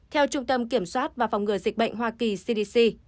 theo trung tâm kiểm soát và phòng ngừa dịch bệnh hoa kỳ cdc